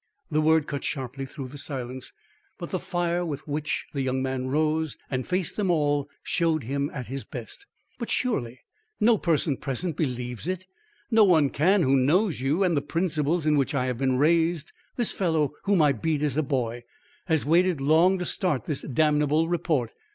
The word cut sharply through the silence; but the fire with which the young man rose and faced them all showed him at his best. "But surely, no person present believes it. No one can who knows you and the principles in which I have been raised. This fellow whom I beat as a boy has waited long to start this damnable report.